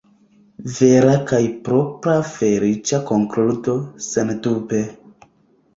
Vera kaj propra “feliĉa konkludo”, sendube.